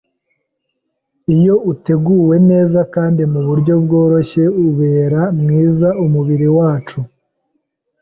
iyo uteguwe neza kandi mu buryo bworoshye, ubera mwiza umubiri wacu.